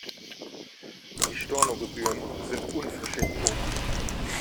Die Stornogebühren sind unverschämt hoch.